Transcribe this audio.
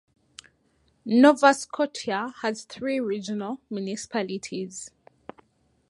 Nova Scotia has three regional municipalities.